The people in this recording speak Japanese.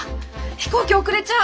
飛行機遅れちゃう！